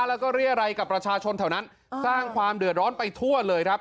แล้วก็เรียรัยกับประชาชนแถวนั้นสร้างความเดือดร้อนไปทั่วเลยครับ